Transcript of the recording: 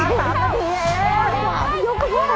เร็วเร็วเร็วเร็วเร็วเร็ว